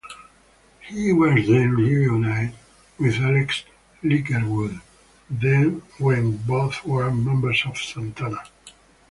He was then reunited with Alex Ligertwood when both were members of Santana.